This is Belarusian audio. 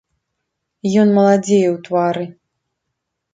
Ён маладзее ў твары.